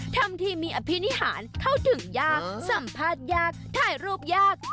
ทำทีมีอภินิหารเข้าถึงยากสัมภาษณ์ยากถ่ายรูปยาก